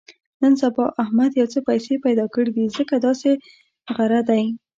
نن سبا احمد یو څه پیسې پیدا کړې دي، ځکه داسې غره دی.